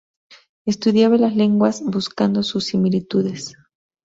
Estudiaba las lenguas buscando sus similitudes.